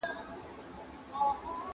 د تېرو لسیزو د تاریخ مطالعه ډېره مهمه ده.